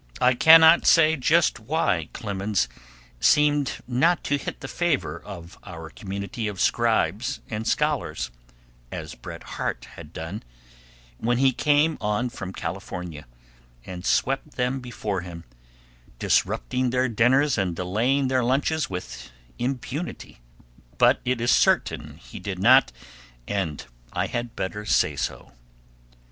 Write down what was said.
I cannot say just why Clemens seemed not to hit the favor of our community of scribes and scholars, as Bret Harte had done, when he came on from California, and swept them before him, disrupting their dinners and delaying their lunches with impunity; but it is certain he did not, and I had better say so.